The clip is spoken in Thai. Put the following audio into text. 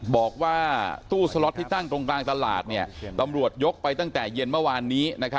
บอกว่าตู้สล็อตที่ตั้งตรงกลางตลาดตำรวจยกไปตั้งแต่เย็นเมื่อวานนี้